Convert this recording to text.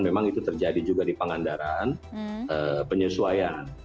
memang itu terjadi juga di pangandaran penyesuaian